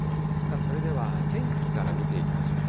それでは天気から見ていきましょう。